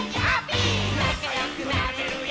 「なかよくなれるよ」